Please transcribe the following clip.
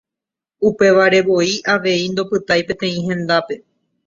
Upevarevoi avei ndopytái peteĩ hendápe.